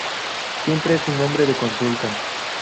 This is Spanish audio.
Siempre es un hombre de consulta.